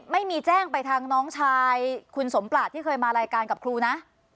ไม่มีแจ้งไปทางน้องชายคุณสมปราศที่เคยมารายการกับครูนะ